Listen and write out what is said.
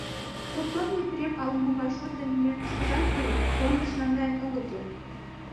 Сопром Епрем ала-могай шот дене мӧҥгыштыжак ила, фронтыш наҥгаен огытыл.